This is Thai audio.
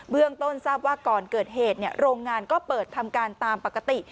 เรื่องต้นทราบว่าก่อนเกิดเหตุโรงงานก็เปิดทำการตามปกติ